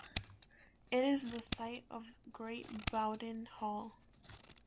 It is the site of Great Bowden Hall.